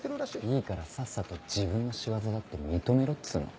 いいからさっさと自分の仕業だって認めろっつうの。